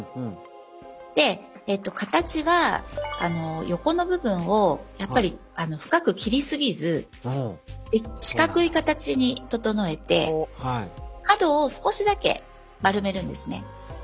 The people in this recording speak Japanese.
で形は横の部分を深く切り過ぎず四角い形に整えて角を少しだけ丸めるんですね。